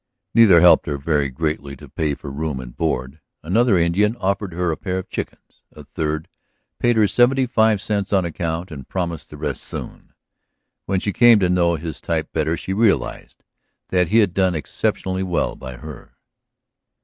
Neither helped her very greatly to pay for room and board. Another Indian offered her a pair of chickens; a third paid her seventy five cents on account and promised the rest soon. When she came to know his type better she realized that he had done exceptionally well by her.